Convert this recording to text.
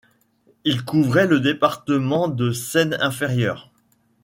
Il couvrait le département de Seine-Inférieure.